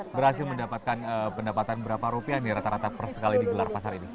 berhasil mendapatkan pendapatan berapa rupiah nih rata rata per sekali di gelar pasar ini